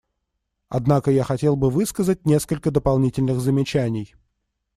Однако я хотел бы высказать несколько дополнительных замечаний.